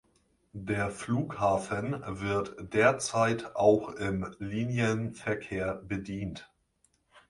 Der Flughafen wird derzeit auch im Linienverkehr bedient.